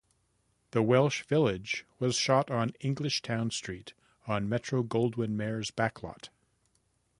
The Welsh village was shot on English Towne Street on Metro-Goldwyn-Mayer's backlot.